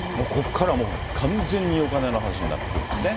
ここから完全にお金の話になってくるんですね。